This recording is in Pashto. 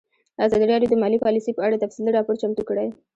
ازادي راډیو د مالي پالیسي په اړه تفصیلي راپور چمتو کړی.